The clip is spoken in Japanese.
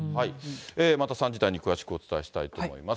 また３時台に詳しくお伝えしたいと思います。